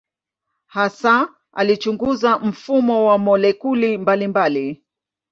Hasa alichunguza mfumo wa molekuli mbalimbali.